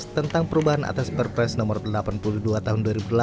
tentang perubahan atas perpres nomor delapan puluh dua tahun dua ribu delapan